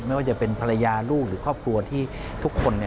ไม่ว่าจะเป็นภรรยาลูกหรือครอบครัวที่ทุกคน